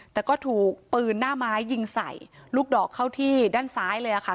แต่ก็ถูกปืนหน้าไม้ยิงใส่ลูกดอกเข้าที่ด้านซ้ายเลยค่ะ